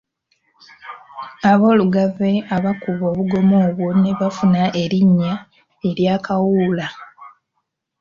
Aboolugave abaakuba obugoma obwo ne bafuna erinnya erya Kawuula.